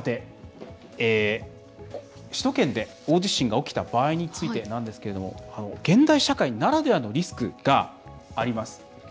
首都圏で大地震が起きた場合についてなんですけれども現代社会ならではのリスクがあります。